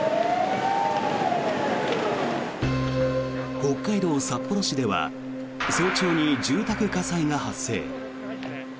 北海道札幌市では早朝に住宅火災が発生。